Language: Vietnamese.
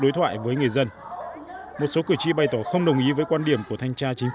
đối thoại với người dân một số cử tri bày tỏ không đồng ý với quan điểm của thanh tra chính